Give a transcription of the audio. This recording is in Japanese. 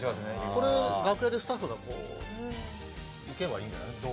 これ楽屋でスタッフがこう行けばいいんじゃないドーム。